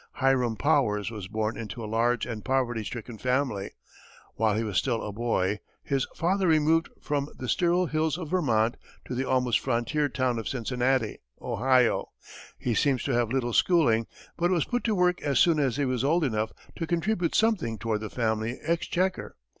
Hiram Powers was born into a large and poverty stricken family. While he was still a boy, his father removed from the sterile hills of Vermont to the almost frontier town of Cincinnati, Ohio. He seems to have had little schooling, but was put to work as soon as he was old enough to contribute something toward the family exchequer.